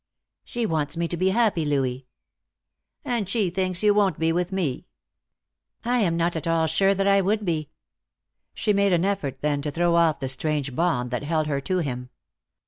"She wants me to be happy, Louis." "And she thinks you won't be with me." "I am not at all sure that I would be." She made an effort then to throw off the strange bond that held her to him.